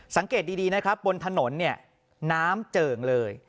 สังเกตดีนะครับบนถนนเนี่ยน้ำเจิ่งเลย